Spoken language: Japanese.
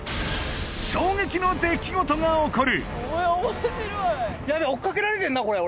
衝撃の出来事が起こる！